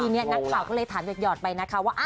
ทีนี้นักข่าวก็เลยถามหยอดไปนะคะว่า